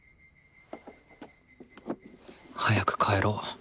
早く帰ろう。